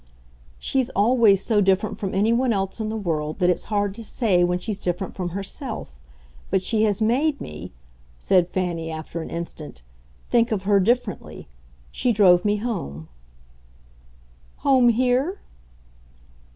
"She's always so different from anyone else in the world that it's hard to say when she's different from herself. But she has made me," said Fanny after an instant, "think of her differently. She drove me home." "Home here?"